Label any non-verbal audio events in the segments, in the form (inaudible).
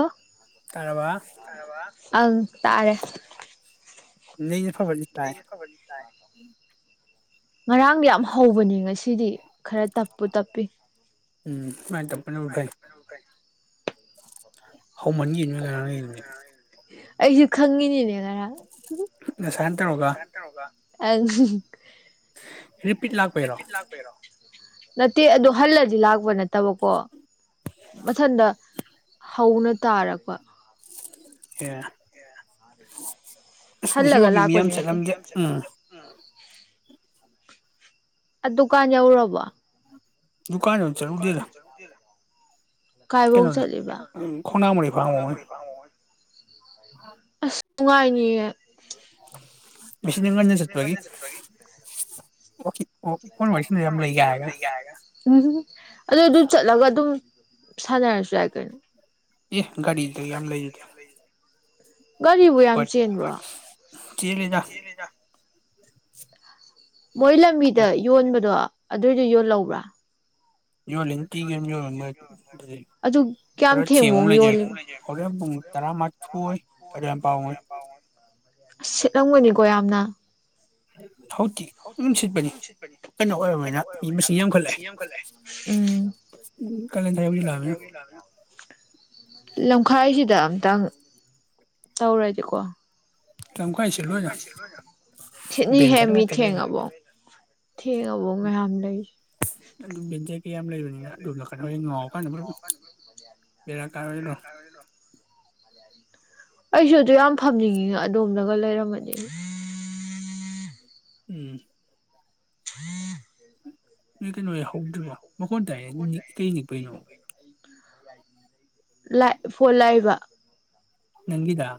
ꯑꯣ ꯇꯔꯥꯕ ꯑꯪ ꯇꯥꯔꯦ ꯃꯤ (inaudible) ꯐꯕꯅꯤ ꯇꯥꯏ ꯉꯔꯥꯡꯗꯤ ꯌꯥꯝ ꯍꯧꯕꯅꯤ ꯉꯁꯤꯗꯤ ꯈꯔ ꯇꯞꯄꯨ ꯇꯞꯄꯤ ꯎꯝ ꯁꯨꯃꯥꯏꯅꯥ ꯇꯥꯄꯥꯅꯕꯨ ꯐꯩ ꯎ ꯍ ꯃꯟ ꯌꯦ ꯂꯩꯅꯤ ꯑꯩꯁꯨ ꯈꯪꯉꯤꯅꯤꯅꯦ ꯁꯇ ꯑ (inaudible) ꯔꯤꯄꯤꯠ ꯂꯥꯛꯄꯔꯣ ꯅꯠꯇꯦ ꯑꯗꯨ ꯍꯜꯂꯗꯤ ꯂꯥꯛꯄ ꯅꯠꯇꯕꯀꯣ ꯃꯊꯟꯇ ꯍꯧꯅ ꯇꯥꯔꯛꯄ ꯑꯦ ꯑꯦ ꯍꯜꯂꯒ ꯂꯥꯛꯄꯦ ꯗꯨꯀꯥꯟ ꯌꯎꯔꯕꯣ ꯗꯨꯀꯅꯦ ꯑꯣꯏꯅꯁꯔ ꯎꯗꯅ ꯀꯥꯏꯕꯕꯨ ꯆꯂꯕ ꯑꯁ ꯅꯨꯡꯉꯥꯏꯅꯤꯌꯦ ꯎ ꯎ ꯑꯗꯨ ꯑꯗꯨ ꯆꯠꯂꯒ ꯑꯗꯨꯝ ꯁꯗꯅꯁꯥꯏꯒꯩꯅꯣ ꯑꯦ ꯒꯥꯔꯤ ꯀ ꯌꯥꯝꯝ ꯂꯩꯗꯦ ꯒꯥꯔꯤꯕꯨ ꯌꯥꯝ ꯆꯦꯟꯕ꯭ꯔꯣ ꯃꯣꯏ ꯂꯝꯕꯤꯗ ꯌꯣꯟꯕꯗꯣ ꯑꯗꯨꯏꯗꯨ ꯌꯣꯜꯂꯧꯕ꯭ꯔꯥ ꯂꯤꯇꯤ ꯑꯣ ꯊꯃ ꯂꯩ ꯑꯣ ꯇꯔꯥ ꯃꯥꯊ ꯑꯣꯏ ꯇꯔ ꯌꯥꯝ ꯄꯥꯎ ꯑꯣꯏ ꯑꯁ ꯁꯤꯦꯠꯂꯝꯒꯅꯤꯀꯣ ꯌꯥꯝꯅ ꯎꯝ ꯍꯧꯥꯎꯤ ꯑꯗꯨꯝ ꯁꯤꯠꯄꯅꯤ ꯑꯩꯅ ꯑꯣꯏꯔꯕꯅꯤꯅ ꯃꯤ ꯃꯁꯤꯡ ꯌꯥꯝꯈꯠꯂꯛꯑꯦꯂꯍ ꯂꯅꯤꯅ ꯂꯝꯈꯥꯏꯁꯤꯗ ꯑꯝꯇꯪ ꯇꯧꯔꯗꯤꯀꯣ (unintelligible) ꯍꯦ ꯃꯤ ꯊꯦꯡꯉꯕꯣ ꯊꯦꯡꯉꯕꯣ ꯃꯌꯥꯝ ꯂꯩ ꯌꯥꯝ ꯂꯩꯕꯅꯤꯅ ꯑꯗꯨꯨꯝꯅ ꯅꯥꯀꯟ ꯍꯣꯔꯦꯟ ꯉꯥꯎꯔꯀꯥꯟꯗ (unintelligible) ꯕꯦꯔꯥ ꯀꯥꯔꯣꯢꯗ꯭ꯔꯣ꯫ ꯑꯩꯁꯨ ꯑꯗꯨ ꯌꯥꯝ ꯐꯝꯅꯤꯡꯉꯤꯉ ꯑꯗꯣ ꯈꯡꯅꯕ ꯂꯩꯔꯝꯝꯕꯗꯤ ꯎꯝ꯫ (unintelligible) ꯅꯣꯏ ꯀꯩꯅꯣ ꯌꯥꯍꯧꯗ꯭ꯔꯤꯕꯣ꯫ ꯃꯈꯣꯟ ꯇꯥꯏꯌꯦ ꯀꯩ ꯅꯤꯛꯄꯩꯅꯣ꯫ ꯂꯥꯏ ꯐꯣꯟ ꯂꯥꯛꯏꯕ꯫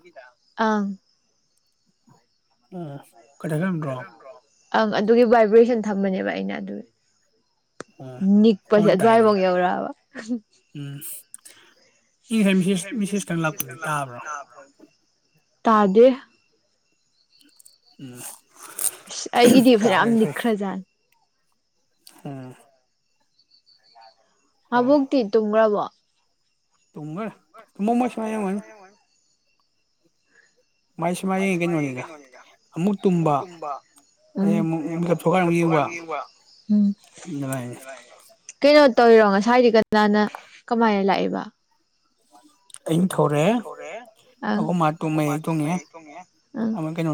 (unintelligible) ꯑꯪ꯫ ꯑꯥ꯫ (unintelligible) ꯑꯪ ꯑꯗꯨꯒꯤ ꯚꯥꯏꯕ꯭ꯔꯦꯁꯟ ꯊꯝꯕꯅꯦꯕ ꯑꯩꯅ ꯑꯗꯨ ꯅꯤꯛꯄꯁꯦ ꯑꯗ꯭ꯋꯥꯏꯕꯨꯛ ꯌꯧꯔꯛꯑꯕ ꯑꯩ ꯉꯁꯥꯏ ꯃꯤꯁꯦꯁ ꯃꯤꯁꯦꯁ ꯇ ꯂꯥꯛꯄꯗꯤ ꯇꯥꯕ꯭ꯔꯣ ꯇꯥꯗꯦ꯫ ꯎꯝ꯫ ꯑꯁ ꯑꯩꯒꯤꯗꯤ ꯐꯖꯌꯥꯝ ꯅꯤꯛꯈ꯭ꯔ ꯖꯥꯠꯅꯤ ꯎꯝ꯫ ꯃꯕꯣꯛꯇꯤ ꯇꯨꯨꯝꯒ꯭ꯔꯕꯣ꯫ ꯇꯝꯒ꯭ꯔꯦ ꯇꯨꯃꯃꯣꯢ ꯁꯤꯃ ꯌꯦꯡꯉꯝꯒꯅꯤ꯫ ꯃꯥꯏ ꯁꯨꯃꯥꯏ ꯌꯦꯉ ꯀꯩꯅꯣꯅꯤꯗ ꯑꯃꯨꯛ ꯇꯨꯝꯕ ꯎꯝ ꯑꯗꯩ ꯑꯃꯨꯛ ꯃꯤꯀꯞ ꯊꯣꯛꯂꯀꯥꯟ ꯑꯃꯨꯛ ꯌꯦꯡꯕ ꯎꯝ ꯑꯗꯨꯃꯥꯏꯅꯤ꯫ ꯀꯩꯅꯣ ꯇꯧꯔꯤꯔꯣ ꯉꯁꯥꯏꯗꯤ ꯀꯅꯥꯅ ꯀꯃꯥꯏꯅ ꯂꯥꯛꯏꯕ꯫ ꯑꯩꯅ ꯊꯧꯔꯦ ꯑꯥ ꯑꯩꯈꯣꯏ ꯃꯥ ꯇꯨ ꯃꯌꯥꯏ ꯇꯣꯡꯉꯦ ꯑꯥ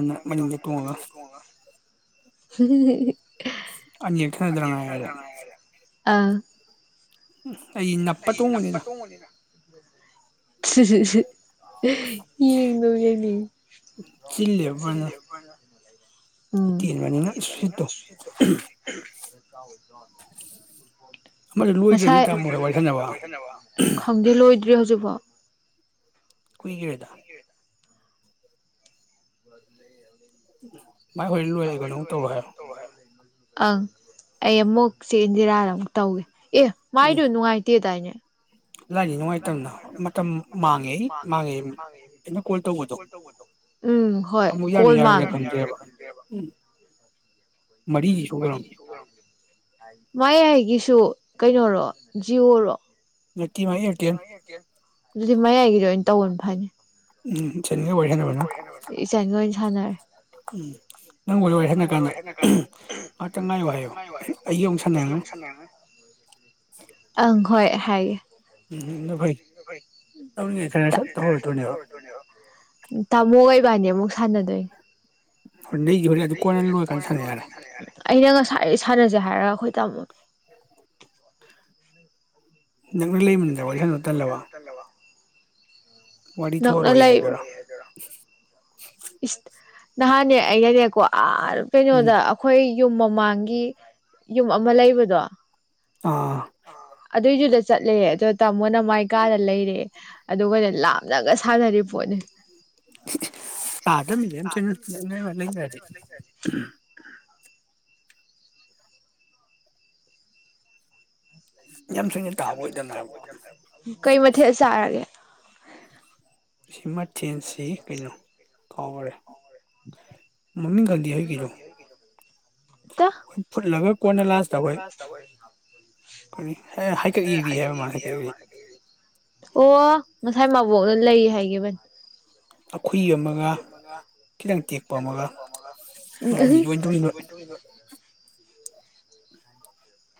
ꯑꯃ ꯀꯩꯅꯣ ꯃꯅꯤꯡꯗ ꯇꯣꯡꯉꯒ (unintelligible) (unintelligible) (unintelligible) ꯑꯥ꯫ ꯎꯝ ꯑꯩ ꯅꯞꯄ ꯇꯣꯡꯕꯅꯤꯅ꯫ (unintelligible) ꯌꯦꯡꯗꯨꯝ ꯌꯦꯡꯅꯤꯡꯉꯤ꯫ ꯇꯦꯟꯕꯅꯤꯅ ꯁ꯭ꯄꯤꯗ ꯇꯣ ꯀꯥꯎꯋꯦ ꯉꯁꯥꯏ ꯈꯪꯗꯦ ꯂꯣꯏꯗ꯭ꯔꯤ ꯍꯧꯖꯤꯛ (inaudible) ꯀꯨꯏꯒ꯭ꯔꯦꯗ ꯋꯥꯗꯤ ꯂꯩ ꯌꯦ ꯃꯥꯏ ꯋꯥꯔꯤ ꯂꯣꯏꯔꯦꯀꯣ ꯅꯉꯣꯟ ꯇꯧꯔꯛꯑꯣ ꯍꯥꯏꯌꯨ ꯑꯪ ꯑꯩ ꯑꯃꯨꯛ ꯆꯦ ꯏꯟꯗꯤꯔꯥꯗ ꯑꯃꯨꯛ ꯇꯧꯒꯦ ꯑꯦ ꯃꯥꯏꯗꯣ ꯅꯨꯡꯉꯥꯏꯇꯦꯗꯥꯏꯅꯦ ꯂꯥꯛꯅꯤ ꯅꯨꯡꯉꯥꯏꯇꯕꯅ ꯃꯇꯝ ꯃꯥꯡꯉꯦ ꯑꯩ ꯃꯥꯡꯉꯦ ꯑꯩꯅ ꯀꯣꯜ ꯇꯧꯕꯗꯣ ꯑꯃꯨꯛ ꯌꯥꯅꯤ ꯌꯥꯔꯣꯏꯗ꯭ꯔ ꯈꯪꯗꯦꯕ, ꯎꯝ ꯃꯔꯤꯒꯤ ꯃꯥꯌꯥꯏꯒꯤꯁꯨ ꯀꯩꯅꯣꯔꯣ, ꯖꯤꯑꯣꯔꯣ? ꯑꯗꯨꯗꯤ ꯃꯌꯥꯒꯤꯗ ꯑꯣꯏꯅ ꯇꯧꯋꯣ ꯑꯝꯇ꯫ ꯐꯅꯤ ꯎꯝ, ꯁꯦꯅꯤꯌꯔ ꯑꯣꯏꯔꯦ ꯍꯥꯏꯅꯕꯅꯦ ꯊꯥꯅꯔꯦ ꯎꯝ ꯅꯪ ꯋꯥ ꯍꯅ ꯀꯥꯏꯅ ꯑꯥ ꯀꯅꯥꯏ ꯋꯥꯔꯤ, ꯑꯩꯒꯤ ꯃꯨꯛ ꯁꯅꯥꯔꯅꯨ, ꯑꯪ ꯍꯣꯏ꯫ ꯍꯥꯏ ꯎꯝ ꯇꯥꯃꯣ ꯍ ꯏꯕꯥꯅꯤ ꯑꯃꯨꯛ ꯁꯥꯟꯅꯗꯣꯏꯅꯤ ꯐꯨꯝꯗꯤꯒꯤ ꯑꯣꯏꯔꯗꯤ ꯀꯣꯟꯅ ꯂꯣꯏꯔꯀꯥꯟꯗ ꯁꯥꯟꯅ ꯌꯥꯔꯦ꯫ ꯑꯩꯅ ꯉꯁꯥꯏꯗꯩ ꯁꯥꯟꯅꯁꯦ ꯍꯥꯏꯔꯒ ꯑꯩꯈꯣꯏ ꯇꯝꯃꯣ ꯅꯛꯅ ꯂꯩꯃꯟꯅ ꯋꯥꯔꯤ ꯁꯟꯅ ꯇꯜꯂꯕꯣ ꯋꯔꯤ ꯊꯣꯛꯑꯔꯣꯏ ꯍꯥꯏꯗꯨꯔꯣ ꯏꯁ ꯅꯍꯥꯟꯅꯦ ꯑꯩꯩꯅꯅꯦꯀꯣ ꯑꯥ ꯑꯥꯗ ꯀꯩꯅꯣꯗ ꯑꯩꯈꯣꯏ ꯌꯨꯝ ꯃꯃꯥꯡꯒꯤ ꯌꯨꯝ ꯑꯃ ꯂꯩꯕꯗꯣ ꯑ ꯑꯗꯨꯏꯗꯨꯗ ꯆꯠꯂꯦ ꯑꯗꯣ ꯑꯃꯅ ꯃꯥꯏ ꯀꯥꯗ ꯂꯩꯔꯦ ꯑꯗꯨꯒ ꯑꯣꯏꯅ ꯂꯥꯞꯅꯒ ꯊꯥꯅꯔꯤ ꯄꯣꯠꯅꯤ ꯄꯥꯗꯂ ꯆ ꯀꯔꯤꯦ ꯀꯩ ꯃꯊꯦꯜ ꯁꯥꯔꯒꯦ ꯁꯤꯃ ꯇꯦꯟꯁꯤ ꯀꯩꯅꯣ? ꯈꯔꯦ ꯃꯃꯤꯡ ꯈꯂꯒ ꯀꯣꯟꯅ ꯂꯥꯁ ꯇꯧ ꯍꯥꯏ ꯏꯕꯤꯕ ꯃꯥ ꯑꯣ ꯉꯁꯥꯏ ꯃꯥꯕꯣꯛꯅ ꯂꯩ ꯍꯥꯏꯈꯤꯕꯅꯤ ꯑꯩꯈꯏ ꯑꯃꯒ ꯈꯤꯇꯪ ꯇꯦꯛꯄ ꯑꯃꯒ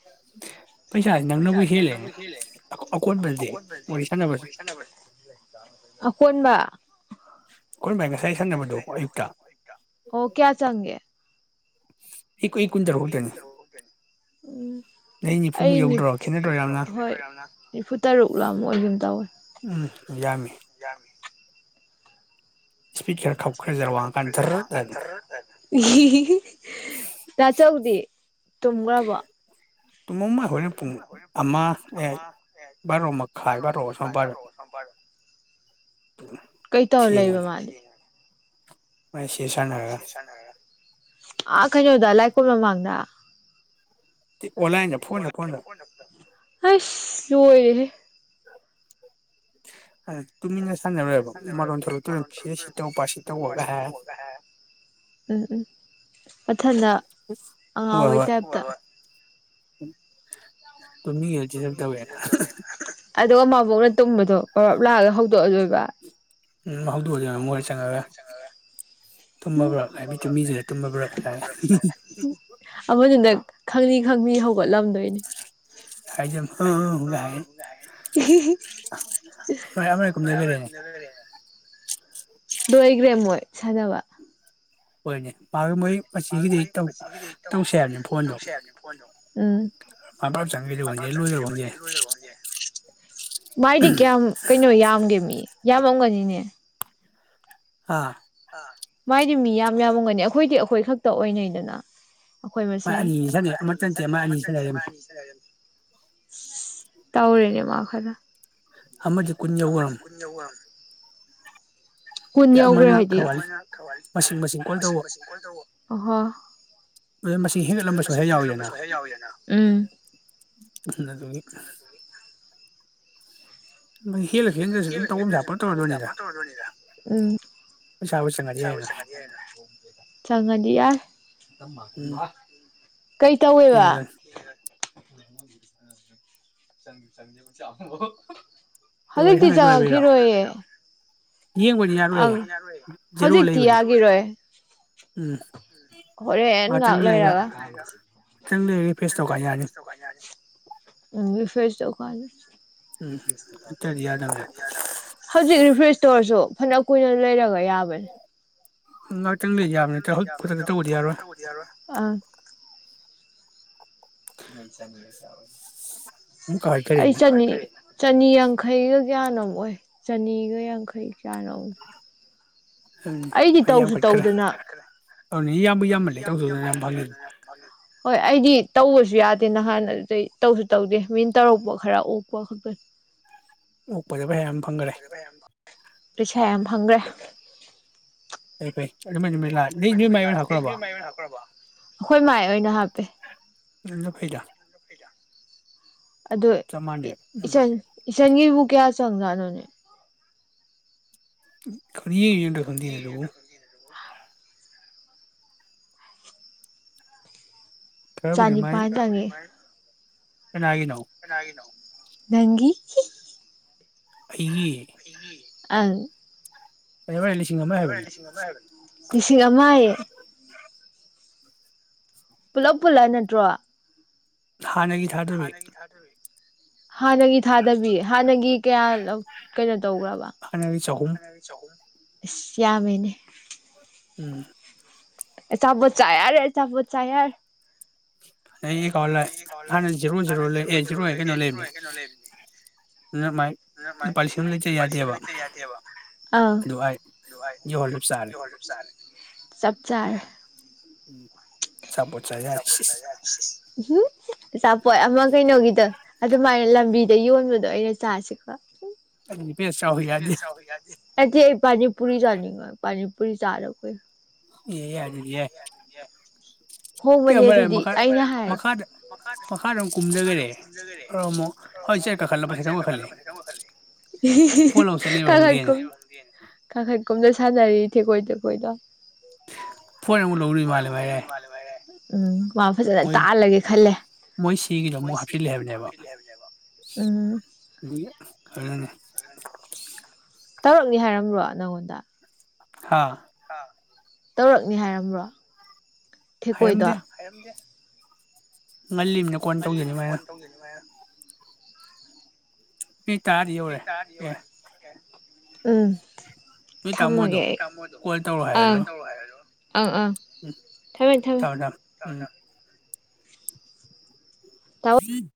(inaudible) ꯄꯩꯁꯥꯥꯁ ꯅꯪꯅꯕ ꯍꯦꯜꯂꯦꯗꯤꯅꯕꯕ ꯑꯣ ꯀꯌꯥ ꯆꯪꯒꯦ (inaudible) ꯎꯝ ꯑꯩ ꯅꯤꯐꯨ ꯇꯔꯨꯛ ꯂꯥꯛ ꯑꯣꯏ ꯑꯗꯨꯝ ꯇꯧꯋꯦ ꯏꯁ꯭ꯄꯤꯗ ꯈꯔꯥ ꯈꯞꯈ꯭ꯔꯦꯖꯔ ꯋꯥ ꯉꯥꯡꯉꯀꯥꯟꯗ ꯗ꯭ꯔꯗ ꯍꯥꯏꯅ ꯫ ꯇꯥꯆꯧꯗꯤ ꯇꯨꯝꯈ꯭ꯔꯕꯣ? ꯇꯨꯃꯧꯃ ꯑꯩꯈꯣꯏꯅ ꯄꯨꯡ ꯑꯃ ꯕꯥꯔꯣ ꯃꯈꯥꯏ ꯕꯥꯔꯣ ꯑꯁꯃꯄꯥꯗ ꯊꯦꯡꯕꯅꯤ ꯑꯥ ꯀꯩꯅꯣ ꯗ ꯂꯥꯏ ꯀꯣ ꯃꯥꯥꯡꯗ ꯑꯁ ꯑꯣꯏꯣꯏꯦ ꯑ ꯎꯝ ꯎꯝ ꯃꯊꯟꯗ ꯑꯉꯥꯡ ꯍꯩ ꯇꯥꯏꯞꯇ ꯎꯝ ꯃꯤ ꯌꯥꯁꯤ ꯁ ꯇꯧꯕꯅ ꯑꯗꯨꯒ ꯃꯕꯣꯛꯅ ꯇꯨꯝꯕꯗꯣ ꯄꯔꯞ ꯂꯥꯛꯑꯒ ꯍꯧꯗꯣꯛꯑꯗꯣꯏꯕ ꯎ ꯍꯧꯗꯣꯛꯑꯗꯅ ꯃꯣꯏꯗ ꯆꯪꯉꯒ ꯊꯨꯝꯃꯕ꯭ꯔꯥ ꯍꯥꯏꯕꯤ ꯇꯨꯝꯕꯤꯁꯤꯗ ꯊꯨꯝꯃꯕ꯭ꯔꯥ ꯍꯥꯏ ꯑꯃꯗꯨꯅ ꯈꯪꯅꯤ ꯈꯪꯅꯤ ꯍꯧ ꯑꯣꯠꯂꯝꯗꯣꯏꯅꯦ ꯂꯣꯏꯈ꯭ꯔꯦ ꯃꯣꯏ ꯁꯅꯕ ꯍꯣꯌꯅꯦ ꯍꯣꯏꯅꯦ (unintelligible) ꯃꯥꯏꯗꯤ ꯀꯌꯥꯝ ꯀꯩꯅꯣ ꯌꯥꯝꯒꯦ ꯃꯤ ꯌꯥꯝꯃꯝꯒꯅꯤꯅꯦ ꯑ ꯃꯥꯏꯗꯤ ꯃꯤ ꯌꯥꯝ ꯌꯥꯝꯃꯝꯒꯅꯤ ꯑꯩꯈꯣꯏꯗꯤ ꯑꯩꯈꯣꯏ ꯈꯛꯇ ꯑꯣꯏꯅꯩꯗꯅ ꯑꯩꯈꯣꯏ ꯃꯁꯦꯟ ꯃꯥ ꯑꯅꯤ ꯆꯠꯂꯦ ꯑꯃꯇ ꯅꯠꯇꯦ ꯃꯥ ꯑꯅꯤ ꯆꯠꯂꯗꯝꯅꯦ ꯇꯧꯔꯦꯅꯦ ꯃꯥ ꯐꯟꯅ ꯑꯃꯗꯤ ꯀꯨꯟ ꯌꯧꯒ꯭ꯔꯝ ꯀꯨꯟ ꯌꯧꯈ꯭ꯔꯦ ꯍꯥꯏꯗꯤ ꯑꯃꯅ ꯃꯁꯤꯡ ꯃꯁꯤꯡ ꯑꯣꯏꯗꯧꯕ ꯑꯣꯍꯣ ꯃꯁꯤꯅ ꯃꯁꯤꯡ ꯍꯦꯟꯅ ꯂꯝꯕꯁꯨ ꯍꯦꯛ ꯌꯥꯎꯋꯤꯗꯅ ꯎꯝ ꯎꯝ, ꯆꯪꯉꯗꯤ ꯌꯥꯔꯦ, ꯀꯩ ꯇꯧꯋꯦꯕ? (unintelligible) ꯍꯖꯤꯛꯇꯤ ꯆꯪꯉꯛꯈꯤꯔꯣꯏꯌꯦ ꯑꯪ ꯍꯧꯖꯤꯛꯇꯤ ꯌꯥꯒꯤꯔꯣꯏ ꯍꯣꯔꯦꯟ ꯉꯍꯥꯛ ꯂꯩꯔꯒ ꯎꯝ (unintelligible) ꯍꯧꯖꯤꯛ ꯔꯤꯐ꯭ꯔꯦꯁ ꯇꯧꯔꯁꯨ ꯐꯅ ꯀꯨꯏꯅ ꯂꯩꯔꯒ ꯑꯦ ꯌꯥꯕꯅꯦ ꯎ (unintelligible) ꯃꯨꯛ ꯀꯈꯠ ꯈꯔꯦꯅꯦ ꯆꯅꯤ ꯌꯥꯡꯈꯩꯒ ꯀꯌꯥꯅꯣꯨꯛ ꯑꯣꯏ ꯆꯅꯤꯒ ꯌꯥꯡꯈꯩ ꯀꯌꯥꯅꯣ ꯑꯩꯗꯤ ꯇꯧꯁꯨ ꯇꯧꯗꯅ ꯍꯣꯏ ꯑꯩꯗꯤ ꯇꯧꯕꯁꯨ ꯌꯥꯗꯦ ꯅꯍꯥꯟ ꯑꯗꯨꯗꯩ ꯇꯧꯁꯨ ꯇꯧꯗꯦ ꯃꯤꯟ ꯇꯧꯔꯛꯄ ꯈꯔ ꯑꯣꯛꯄ ꯈꯛꯇꯅꯤ ꯎ ꯄꯩꯁꯥ ꯌꯥꯝꯕ ꯐꯪꯈ꯭ꯔꯦ ꯐꯩ ꯐꯩ ꯑꯩꯈꯣꯏ ꯃꯥꯏ ꯑꯣꯏꯅ ꯍꯥꯞꯄꯦ ꯑꯗꯣ ꯏꯆꯟ ꯆꯪꯅꯒꯤꯕꯨ ꯀꯌꯥ ꯆꯪꯖꯅꯣꯅꯦ (inaudible) ꯃꯤ ꯌꯦ ꯈꯗꯤ ꯅ ꯑꯗꯨꯕꯨ ꯆꯅꯤꯄꯥꯟ ꯆꯥꯡꯉꯦ ꯆꯅꯒꯤꯅ ꯅꯪꯒꯤ ꯏ ꯑ ꯑꯩꯕꯏ ꯂꯤꯁꯤꯡ ꯑꯃ ꯍꯥꯏꯕꯅꯤ ꯇꯤꯁꯒꯤ ꯑꯃꯃꯥꯏ ꯄꯨꯂꯞ ꯄꯨꯜꯂ ꯅꯠꯇ꯭ꯔꯣ ꯍꯥꯟꯅꯒꯤ ꯊꯥꯗꯕꯤ ꯍꯥꯟꯅꯒꯤ ꯊꯥꯗꯕꯤ ꯍꯥꯟꯅꯒꯤ ꯀꯌꯥ ꯀꯩꯅꯣ ꯇꯧꯈ꯭ꯔꯕ ꯌꯥ ꯌꯥꯝꯃꯅꯦ ꯎꯝ ꯑꯦ ꯆꯥꯄꯣꯠ ꯆ ꯌꯥꯔꯦ ꯆꯄ ꯆꯔ ꯑꯩ ꯑꯦꯀꯥꯎꯟꯗ ꯍꯥꯟꯅ ꯖꯦꯔꯣ ꯖꯦꯔꯣ ꯂꯩ ꯑꯦ ꯖꯦꯔꯣ ꯑꯦ ꯀꯩꯅꯣ ꯂꯩꯕꯅꯤ ꯑꯗꯨꯅ ꯃꯥꯏ ꯂꯨꯄꯥ ꯂꯤꯁꯤꯡ ꯑꯃ ꯂꯩꯖ ꯌꯥꯗꯦꯕ ꯑꯗꯨ ꯑꯩ ꯌꯧꯍꯜꯂ ꯆꯥꯔꯦ ꯆꯔ ꯎꯝ ꯝ ꯑꯆꯥꯄꯣꯠ ꯑꯃ ꯀꯩꯅꯣꯒꯤꯗꯣ ꯑꯗꯨꯃꯥꯏꯅ ꯂꯝꯕꯤ ꯁꯤꯗ ꯌꯣꯟꯕꯗꯣ ꯑꯩꯅ ꯆꯥꯁꯤꯀꯣ ꯎꯝ ꯄꯦꯁꯥ ꯍꯗꯤ ꯑꯆꯦ ꯄ ꯄꯨꯔꯤ ꯆꯥꯅꯤꯡꯉꯣꯏ ꯄꯅꯤ ꯄꯨꯔꯤ ꯆꯥꯔꯛꯣꯏ ꯑꯦ ꯌꯥꯔꯦ ꯍꯣꯡꯕꯅꯦ ꯑꯗꯨꯗꯤ ꯑꯩꯅ ꯍꯥꯏ ꯀꯥ ꯊꯖꯔꯤ ꯏ ꯊꯦ ꯀꯣꯏꯗ ꯀꯣꯏꯗ ꯍꯣꯏ ꯑꯃꯨꯛ ꯂꯧꯔꯨꯏ ꯃꯥꯜꯂꯦ ꯚꯥꯏꯔꯦ ꯎꯝ ꯃꯥ ꯐꯖꯅ ꯇꯥꯛꯍꯜꯂꯒꯦ ꯈꯜꯂꯦ ꯎꯝ ꯍꯅꯦ ꯇꯧꯔꯛꯅꯤ ꯍꯥꯏꯔꯝꯕ꯭ꯔꯣ ꯅꯪꯉꯣꯟꯗ ꯍꯥꯥ ꯇꯧꯔꯛꯅꯤ ꯍꯥꯏꯔꯝꯕ꯭ꯔꯣ ꯊꯦꯛꯀꯣꯏꯗ ꯉꯜꯂꯤꯃꯤꯅ ꯀꯣꯟ ꯇꯧꯖꯅꯤ ꯃꯥꯏꯅ ꯃꯤ ꯇꯥꯔꯗꯤ ꯌꯧꯔꯦ ꯑꯦ (unintelligible) ꯊꯝꯃꯒꯦ ꯑꯩ ꯊꯝꯃꯣ ꯑꯗꯨꯝ ꯑꯥ ꯑꯥ ꯊꯝꯃꯦ ꯊꯝꯃꯦ (unintelligible)